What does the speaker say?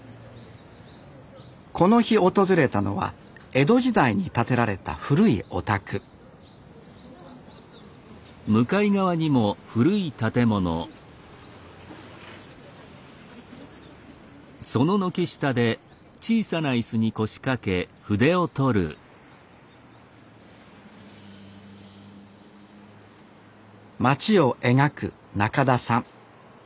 この日訪れたのは江戸時代に建てられた古いお宅街を描くなかださん。